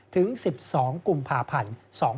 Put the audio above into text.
ถึง๑๒กุมภาพันธ์๒๕๖